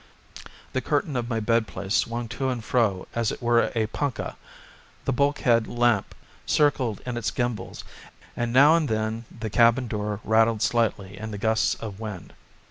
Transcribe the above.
The curtain of my bed place swung to and fro as it were a punkah, the bulkhead lamp circled in its gimbals, and now and then the cabin door rattled slightly in the gusts of wind.